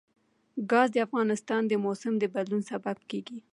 ګاز د افغانستان د موسم د بدلون سبب کېږي.